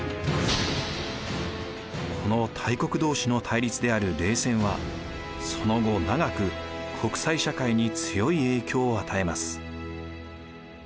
この大国同士の対立である冷戦はその後長く国際社会に強い影響を与えます。